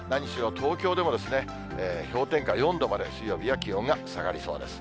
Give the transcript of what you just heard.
東京でも氷点下４度まで水曜日は気温が下がりそうです。